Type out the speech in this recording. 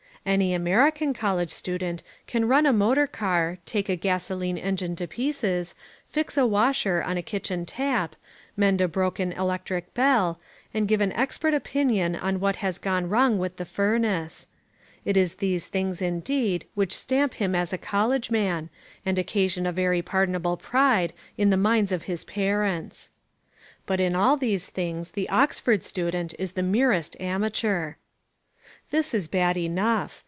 Any American college student can run a motor car, take a gasoline engine to pieces, fix a washer on a kitchen tap, mend a broken electric bell, and give an expert opinion on what has gone wrong with the furnace. It is these things indeed which stamp him as a college man, and occasion a very pardonable pride in the minds of his parents. But in all these things the Oxford student is the merest amateur. This is bad enough.